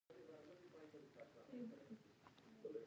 کیمیاګر د انساني روح د ازادۍ کیسه بیانوي.